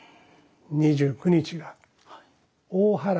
２９日が大祓。